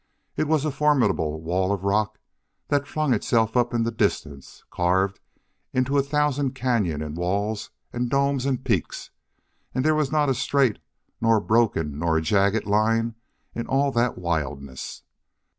It was a formidable wall of rock that flung itself up in the distance, carved into a thousand cañon and walls and domes and peaks, and there was not a straight nor a broken nor a jagged line in all that wildness.